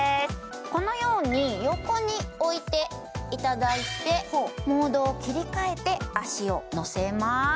このように横に置いていただいてモードを切り替えて足をのせます